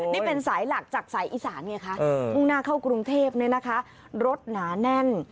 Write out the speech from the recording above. นี่เป็นสายหลักจากสายอีสานไงคะมุ่งหน้าเข้ากรุงเทพเนี่ยนะคะรถหนาแน่น